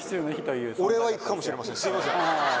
すいません。